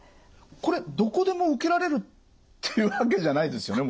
これどこでも受けられるっていうわけじゃないですよね？